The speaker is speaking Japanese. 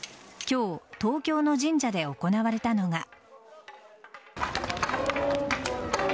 今日、東京の神社で行われたのが。